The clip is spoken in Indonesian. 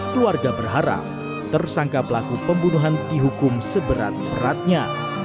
keluarga berharap tersangka pelaku pembunuhan dihukum seberat beratnya